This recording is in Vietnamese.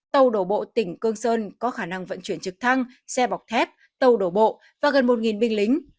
tàu đổ bộ tỉnh cương sơn có khả năng vận chuyển trực thăng xe bọc thép tàu đổ bộ và gần một binh lính